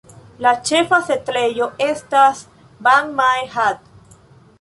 La ĉefa setlejo estas Ban Mae Hat.